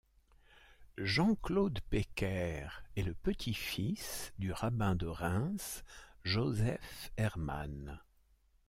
Jean-Claude Pecker est le petit-fils du rabbin de Reims Joseph Hermann.